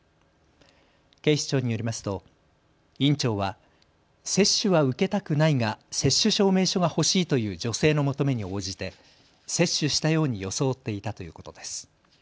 警視庁によりますと院長は接種は受けたくないが接種証明書がほしいという女性の求めに応じて接種したように装っていたということです。